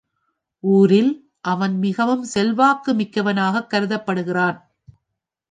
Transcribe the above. ஊரில் அவன் மிகவும் செல்வாக்கு மிக்கவனாகக் கருதப்படுகிறான்.